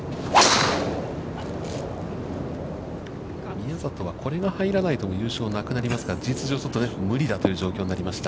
宮里は、これが入らないと優勝がなくなりますから、事実上無理だという状況になりました。